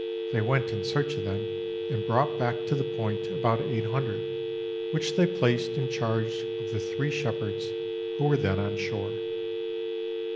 They went in search of them, and brought back to the Point about 800, which they placed in charge of the three shepherds who were then on shore.